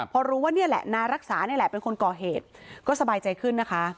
พอรู้ว่านี่แหละนารักษานี่แหละเป็นคนก่อเหตุก็สบายใจขึ้นนะคะ